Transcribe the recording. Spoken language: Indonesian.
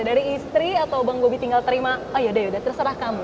dari istri atau bang gobi tinggal terima oh ya udah terserah kamu